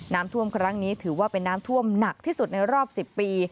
น้ำท่วมครั้งนี้ถือว่าเป็นน้ำท่วมหนักที่สุดในรอบ๑๐ปี